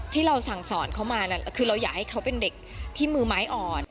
ที่เราสั่งสอนเขามาคือเราอยากให้เขาเป็นเด็กที่มือไม้อ่อน